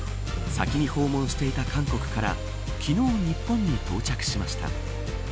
先に訪問していた韓国から昨日、日本に到着しました。